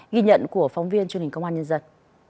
ghi nhận của phóng viên truyền hình công an nhân dân